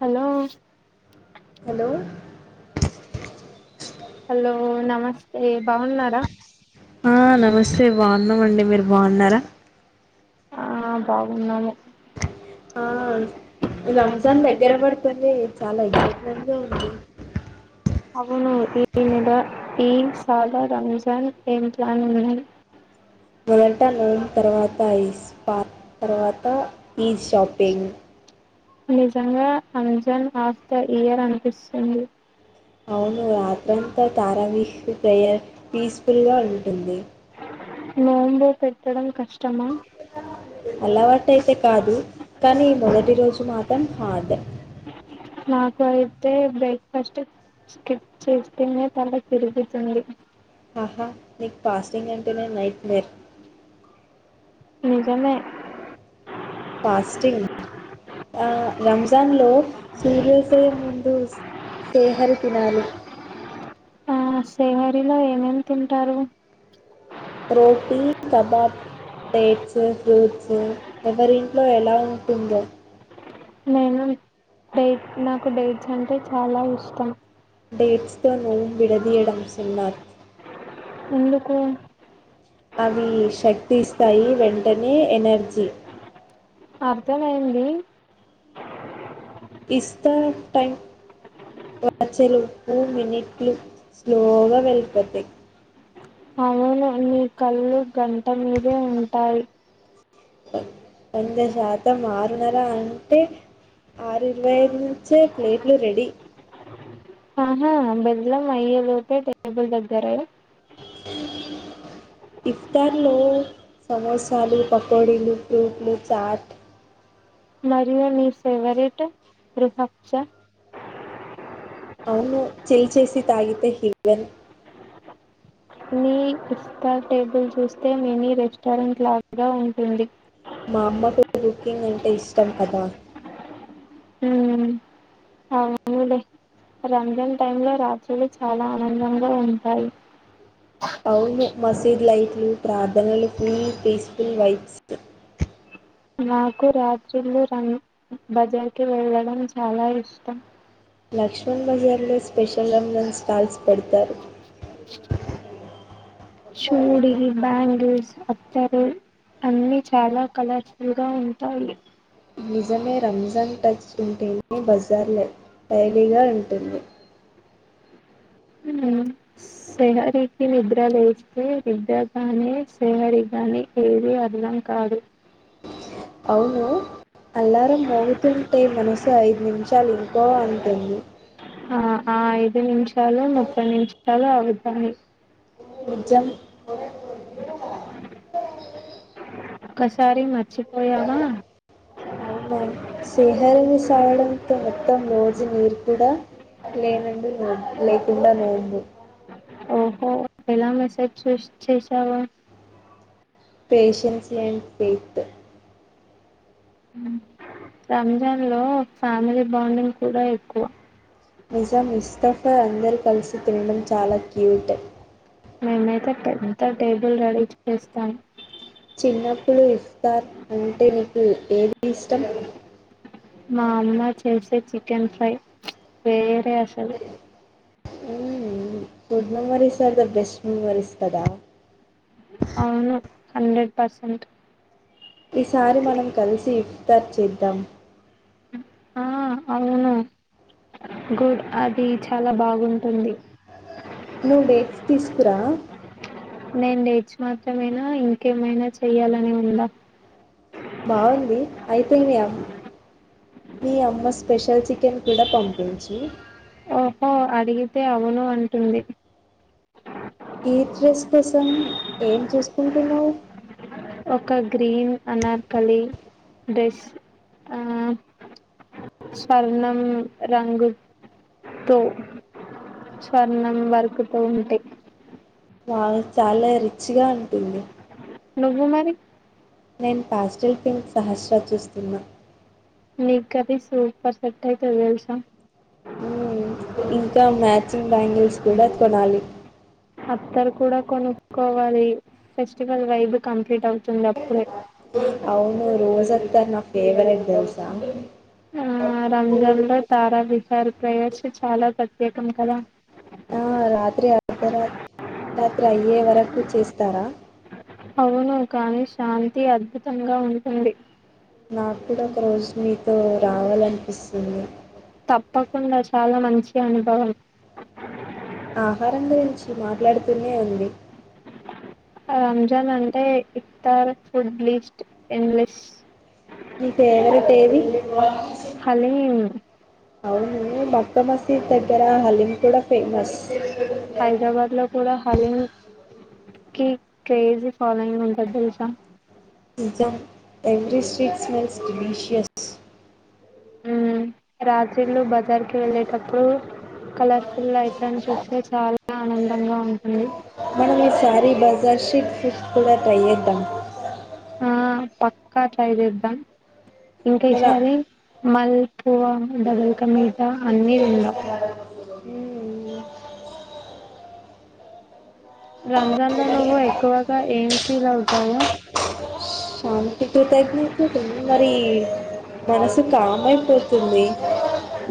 Hello hello hello నమస్తే బాగున్నారా ఆ నమస్తే బాగున్నాము అండి మీరు బాగున్నారా ఆ బాగున్నాను ఆ రంజాన్ దగ్గర పడితేనే చాలా ఎక్సైట్ మెంట్ అ అవును ఈమెడ ఈ సాధ రంజాన్ ఏం ప్లాన్ ఉన్నాయి మొదట నూన్ తర్వాతస్ పా తర్వాత ఈద్ షాపింగ్ నిజంగా రంజన్ ఆఫ్ ద ఇయర్ అనిపిస్తుంది అవును రాత్రంతా తారావిహ ప్రేయర్ పీస్ఫుల్ గా ఉంటుంది నోం పెతడాం కష్టం అలవాటు అయితే కాదు కానీ మొదటి రోజు మాత్ర పం హార్డ్ నాకు అయితే బ్రేక్ఫాస్ట్ స్కిప్ చేస్తేనే తల తిరుగుతుంది ఆహా నీకు ఫస్టింగ్ అంటే నేను నైట్ మలేర్ ఇకన్నే ఫాస్టింగ్ రంజాన్లో సూర్యోదయం ముందు శేహరి తినాలి శేహరిలో ఏమేమి తింటారు ప్రోటీన్ కబాబ్ డేట్స్ ఫ్రూట్స్ ఎవరింట్లో ఎలా ఉంటుందో నేను డేట్ నాకు డేట్స్ అంటే చాలా ఇష్టం డేట్స్ తోను విడదీయడం సున్నాత్ ఎందుకు అవి శక్తి ఇస్తాయి వెంటనే ఎనర్జీ అర్థంయంది ఇస్తా టైం వచలుపు మినిట్లు స్లోగా వెళ్ళిపోతాయి అవును నీ కళ్ళు గంట మీదే ఉంటాయి వంద శాతం ఆరున్నర అంటే ఆరు ఇరవై ఐదు నుంచే ప్లేట్లు రెడీ ఆహా బెల్లం అయ్య లోపే టేబుల్ దగ్గర ఇఫ్తార్లో సమోసాలు పకోడీలు ఫ్రూట్లు చాట్ మరియు మీ ఫేవరెట్ రిహబ్చ అవును చెల్చేసి తాగితే హివన్ మీ ఇస్తా టేబుల్ చూస్తే మినీ రెస్టారెంట్ లాగా ఉంటుంది మా అమ్మకు కుకింగ్ అంటే ఇష్టం కదా అవును రంజన్ టై లో రాత్రులు చాలా ఆనందంగా ఉంటాయి అవును మసీద్ లైట్లు ప్రార్థనలు ఫుల్ పీస్ఫుల్ వైబ్స్ నాకు రాత్రిలు ర బజార్ కి వెళ్ళడం చాలా ఇష్టం లక్ష్మణ్ బజార్ లో స్పెషల్ రజన్ స్టాల్స్ పెడతారు చూడి బ్యాంగిల్స్ అత్తర్లు అన్ని చాలా కలర్ఫుల్గా ఉంటాయి నిజమే రంజాన్ టచ్ ఉంటేని బజార్లో టైలీగా ఉంటుంది సెహరికి నిద్ర లేస్తే విద్రగానే సెహరిగానే ఏది అర్థం కాదు అవును అల్లారం మోగుతుంటే మనసు ఐదు నిమిషాలు ఇంకో అంటుంది అ చాలా ముప్పై నుంచి చాలా అవద్ అడి నిజం ఒకసారి మ అవునా సేమ్ రని సావడంతో మొత్తం రోజు నీరు కూడా లేనండు లేకుండా లేంది ఓహో ఎలా మెసేజ్ చే చేసవా పేషన్స్ ల్యాండ్ ఫయిట్ రంజాన్ లో ఫ్యామిలీ బాండింగ్ కూడా ఎక్కువ నిజాం ముస్తఫా అందరు కలిసి తినడం చాలా క్యూట్ మేమైతే ఎంత టేబుల్ రెడీ చేస్తాం చిన్నప్పులుు ఇఫ్తార్ అంట ఎకు ఏది ఇష్టం మా సే సే అసలు food memories are the best memories కదా అవును హన్ండ్రెడ్ పర్సెంట్ ఈసారి మనం కలిసి త చేిద్దం ఆ అవును గుడ్ అది చాలా బాగుంటుంది నువు డేట్స్ తీసుకురా నేను డేట్స్ మాత్రమేనా ఇంకేమైనా చెయ్యాలని ఉందా బాగుంది అయితే మీ అమ్ మీ అమ్మ స్పెషల్ చికెన్ కూడా పంపించు ఓహో అడిగితే అవును అంటుంది ఈ డ్రెస్ కోసం ఏం చూసుకుంటున్నావు ఒక గ్రీన్ అనార్కళి డ్రెస్ ఆ స్వర్ణం రంగు తో స్వర్ణం వర్కు తో ఉంటే వా చాలా రిచ్గా ఉంటుంది నువ్వు మరి నేను పాస్టిల్ పింక్ సహస్రా చూస్తున్నా నీకు కది సూపర్ సెక్ట్ అయితే తెలుసాం ఇంకా మ్యాచింగ్ బ్యాంగిల్స్ కూడా కొనాలి అత్తరు కూడా కొనుక్కోవాలి ఫెస్టివల్ వైబ్ కంప్లీట్ అవుతు అవును రోజ వత నా ఫేవరెట్ దోసా ఆ రంజాన్ లో తారా విహార్ ప్రవేశ చాలా ప్రత్యేక ం కదా ఆ రాత్రి అర్ధరాత్ర రాత్రి అయ్యే వరకు చేస్తారా అవును కానీ శాంతి అద్భుతంగా ఉంటుంది ో రావాలనిపిస్తుంది తప్పకుండా చాలా మంచి అనుభవం ఆహారం గురించి మాట్లాడుతూనే ఉంది రంజాన్ అంటే ఇక్తార్ ఫుడ్ బ్లీస్డ్ ఎన్లెస్ నీ ఫేవరెట్ ఏది హలీం అవును మక్క మసీద్ దగ్గర హలీం కూడా ఫే మస్ హైదరాబాద్ లో కూడా హలీం కి క్రేజీ ఫాలోయింగ్ ఉంటంది తెలుసా Nizam ఎవీ street smells delicious um రాత్రిలు బజార్ కి వెళ్ళేటప్పుడు కలర్ఫుల్ ఐట్లను చూస్తే చాలా ఆనందంగా ఉంటుంది మీ శారీ బజాషీట్ ఫిట్ కూడా త్రైచేద్దాం ఆ పక్కా రాయిచేద్దాం ఇంకా కదా సారి మల్పువ డబల్క మీటా అన్నీ తిందాం మ్మ్. రంజాన్ లో నువ్వు ఎక్కువగా ఏం ఫీల్ అవుతావు తగ్నిించ మరి మనసు కామ్ అయిపోతుంది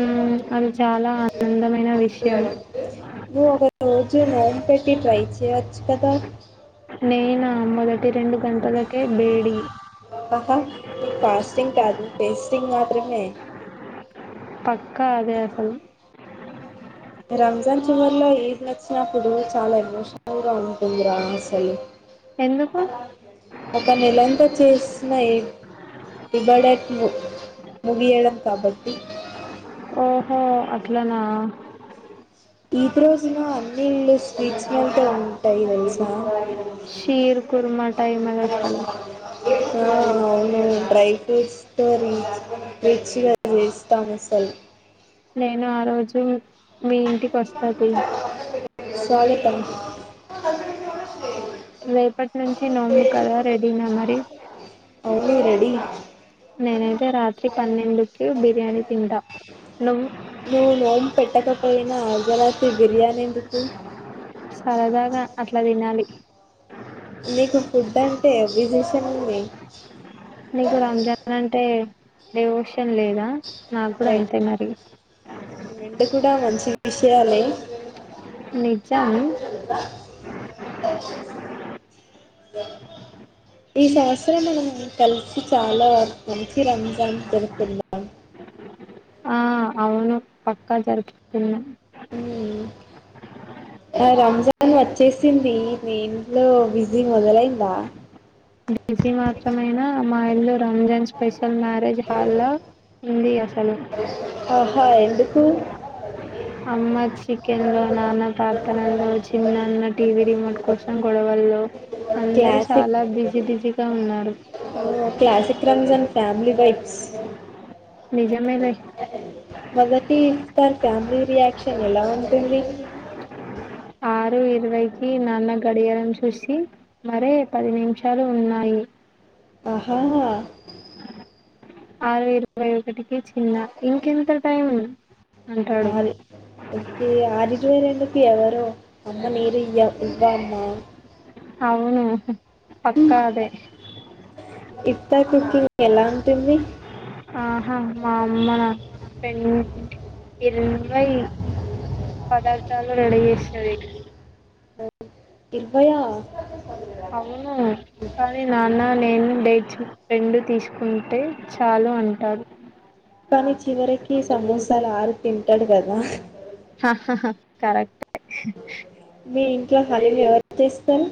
ఉమ్ అది చాలా ఆనందమైన విషయం చూ నన్ పెట్టి ట్రై చేయచ్చు కదా నేనామ్మదగారి రెండు గంటలకి ఆహా ఫాస్టింగ్ కాదు పేస్టింగ్ మాత్రమే పక్క అదే అసలు రమ్ వంచివర్లో ఎదలోచ్చినప్పుడు చాలా ఎమోషనల్ గా ఉంటుంది రా అసలు ఎందుకు ఒక నెల ఎంత చేసి న్నా ఇబడ ము ముగియడం కబడ్టి ఓహో అట్లానా ఈద్ రోజులో అన్ని ఇలు స్వీట్స్లుంట ఉంటాయి తేలుసా షీర్ కుర్మా టై మల చలు ఆ అవును డ్రై ఫ్రూట్స్తో ర రిచిగా చేస్తాం అసలు నేను ఆ రోజు మీ ఇంటికి వస్తా తీ సాలితం అ [unintelligible] రేపటి నుంచి నోము కదా రెడీనా మరి ఓంగ్లీ రెడి నేనైతే రాత్రి పన్నెండుకి బిర్యానీ తింటా నువ్వు నువ్వు నోమ్ పెట్టకపోయిన అర్ధరాత్రి బిర్యానీ ఎందుకు సరదాగా అట్లా తినాలి మీకు ఫుడ్ అంటే విజషన్ంది నీకు రంజాన్ అంటే అదే లేదా నాకు కూడా రే అంతే మరి తీశయాల [unintelligible] నిజం ఈ సంవత్సరం మనం కలిసి చాలా వ మంచి రంజాన్ జరుపుతున్నాం ఆ అవును పక్క జరకున్న మ్మ్ రంజాన్ వచ్చేసింది నే ఇంట్లో బిజీ మొదలైందా బసి మాత్రమైనా అమ్మా ఇల్లు రంజాన్ స్పెషల్ మ్యారేజ్ హాల్లా ఉంది అసలు ఆ హా ఎందుకు అమ్మ చికెన్ లో నాన్న ప్రార్థనలో చిన్నన్న టీవీ రిమోట్ కోసం గొడవల్లో అందరు క్లాసిక్ చాలా బిజీ బిజీగా ఉన్నారు ఆ, క్లాసిక్ రంజాన్ ఫ్యామిలీ వైబ్స్ నిజమేలే మొదటి ఇ ప ఫ్యామలీ రియాక్షన్ ఎలా ఉంటుంది ఆరు ఇరవైకి నాన్న గడియారం చూసి మరే పది నిమిషాలు ఉన్నాయి ఆహా ఆరు ఇరవై ఇక్కటికే చిన్న ఇంకెంత టైం అంటాడు ఆరి ఓకే ఆరిజువే రెండుకి ఎవరో అమ్మ నీరు య్య ఉల్వా అమ్మమా అవును పక్కదే ఇఫ్తార్ కుకింగ్ ఎలా ఉంటుంది ఆహా అమ్మ నా పె ఇరవై పదార్థాలు రెడీ చేసినది ఇర్బయా అవును కానీ నాన్న నేను డేచ్ రెండు తీసుకుంటే చాలు అంటారు కానీ చివరికి సమోసాలు ఆరు తింటాడు కదా కరెక్ట్ మీ ఇంట్లో పనులు ఎవరు తెస్తారు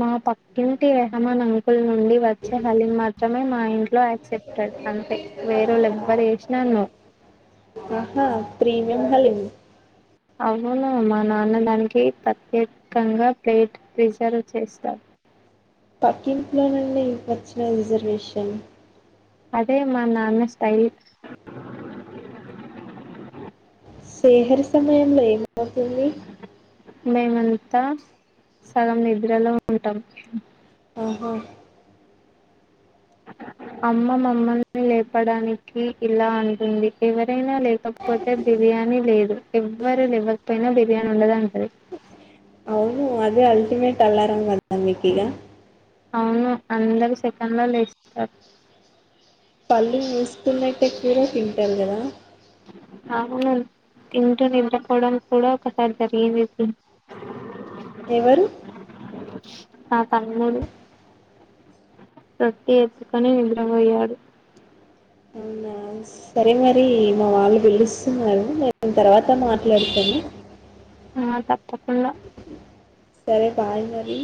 మా పకింటి ఏహమా అంకుల్ నుండి వచ్చే హలిని మాత్రమే మా ఇంట్లో యాక్సెప్టెడ్ అంతే వేరేళ ఎవ్వరు వేసినా నువ్ ఏం హలీం అవును మా నాన్న దానికి ప్రత్యేకంగా ప్లేట్ రిజర్వ్ చేస్తాడు పక్కింపులో నుండి వచ్చిన రిజర్వేషన్ అదే మా నాన్న స్టైల్ శేహరి సమయంలో ఎ వడుతుంది త సగం నిద్రలో ఉంటాం ఆహా అమ్మ మమ్మల్ని లేపడానికి ఇలా అంటుంది ఎవర్ రైనా లేవకపోతే బిర్యానీ లేదు ఎవ్వరు లేవ్వకపోయినా బిర్యానీ ఉండదంటది అవును అదే అల్టిమేట్ అలారం కద మీకీగా అవును అందరు సెకండ్ లో లేస్ తర్ కల్లు మూస్ తున్నయ్ టేక్ కూడ తింటరు కదా అవును తంటూ నిద్రపోవడం కూడా ఒకసారి జరిగింది ఎవరు ఆ తమ్ముడు రొట్టె ఎత్తుకొని నిద్రపోయడు అవునా సరే మరి మ వాళ్ళు పిళ్ళిస్తున్నారు మ ర్ తర్వా త మాట్లాడుతాను ఆ తప్పకుండా సరే బాయ్ మరి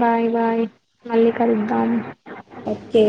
బాయ్ బాయ్ మళ్ళీ కలుద్దాం ఓకే